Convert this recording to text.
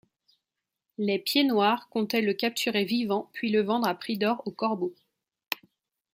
Les Pieds-Noirs comptaient le capturer vivant puis le vendre à prix d'or aux Corbeaux.